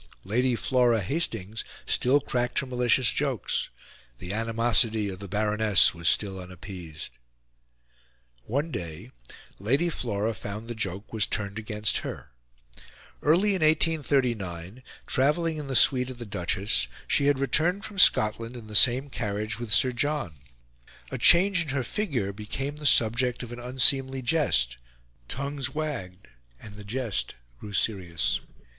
Lady Flora Hastings still cracked her malicious jokes; the animosity of the Baroness was still unappeased. One day, Lady Flora found the joke was turned against her. Early in 1839, travelling in the suite of the Duchess, she had returned from Scotland in the same carriage with Sir John. A change in her figure became the subject of an unseemly jest; tongues wagged; and the jest grew serious.